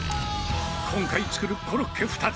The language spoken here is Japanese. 今回作るコロッケ２つ。